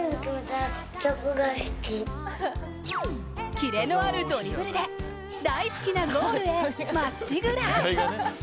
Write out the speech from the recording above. キレのあるドリブルで大好きなゴールへまっしぐら。